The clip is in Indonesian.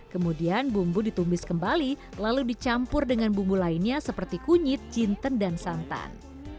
kemudian bumbu ditumis kembali lalu dicampur dengan bumbu lainnya seperti kunyit jinten dan santan